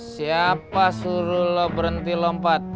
siapa suruh lo berhenti lompat